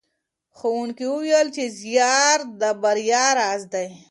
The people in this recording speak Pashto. ښوونکي وویل چې زیار د بریا راز دی.